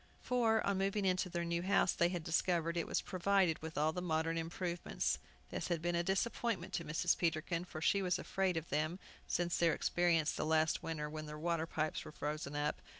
For, on moving into their new house, they had discovered it was provided with all the modern improvements. This had been a disappointment to Mrs. Peterkin, for she was afraid of them, since their experience the last winter, when their water pipes were frozen up.